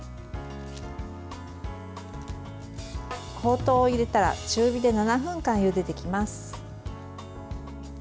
ほうとうを入れたら中火で７分間ゆでていきます。